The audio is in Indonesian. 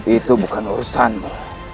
itu bukan urusanmu